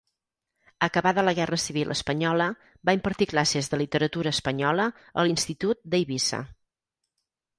Acabada la guerra civil espanyola, va impartir classes de Literatura Espanyola a l'institut d'Eivissa.